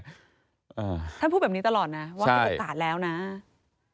ท่านพูดแบบนี้ตลอดนะว่ามีโอกาสแล้วนะ